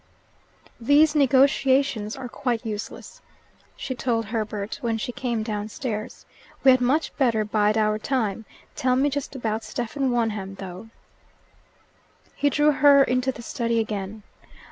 "These negotiations are quite useless," she told Herbert when she came downstairs. "We had much better bide our time. Tell me just about Stephen Wonham, though." He drew her into the study again.